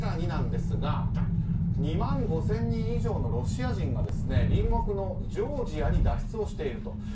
更に、２万５０００人以上のロシア人が隣国のジョージアに脱出していると。